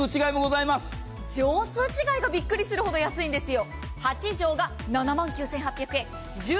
畳数違いがびっくりするほど安いんですよ。